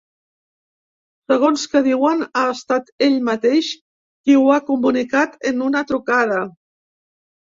Segons que diuen, ha estat ell mateix qui ho ha comunicat en una trucada.